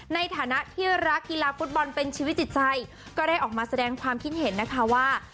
ในฐานะที่รักกีฬาฟุตบอลเป็นชีวิตจิตใจก็ได้ออกมาแสดงความคิดเห็นนะคะว่า